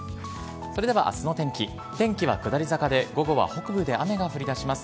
それではあすの天気、天気は下り坂で、午後は北部で雨が降りだします。